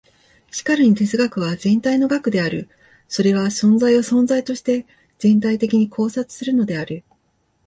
しかるに哲学は全体の学である。それは存在を存在として全体的に考察するのである。